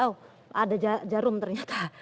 oh ada jarum ternyata